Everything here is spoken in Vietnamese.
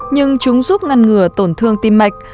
nhưng chúng giúp ngăn ngừa tổn thương tim mạch